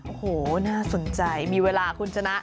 โอ้โหน่าสนใจมีเวลาคุณชนะ